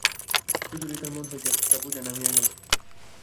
সুচরিতার মন হইতে একটা বোঝা নামিয়া গেল।